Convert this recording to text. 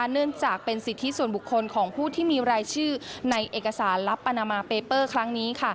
เนื่องจากเป็นสิทธิส่วนบุคคลของผู้ที่มีรายชื่อในเอกสารลับอาณามาเปเปอร์ครั้งนี้